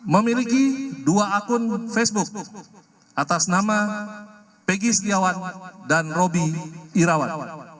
memiliki dua akun facebook atas nama peggy setiawan dan roby irawan